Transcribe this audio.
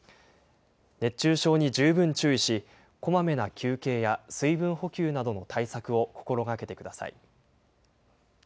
熱中症に十分注意し、こまめな休憩や、水分補給などの対策を心がけてください。